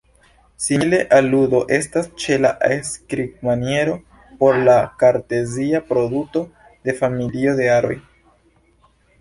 Simile aludo estas ĉe la skribmaniero por la kartezia produto de familio de aroj.